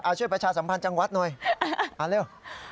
เอาช่วยประชาสัมพันธ์จังหวัดหน่อยเอาเร็ว